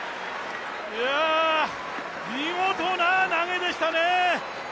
いや、見事な投げでしたね。